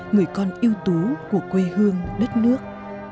người con ưu tú của quê hương đất nước